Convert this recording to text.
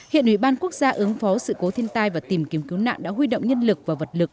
hiện ủy ban quốc gia ứng phó sự cố thiên tai và tìm kiếm cứu nạn đã huy động nhân lực và vật lực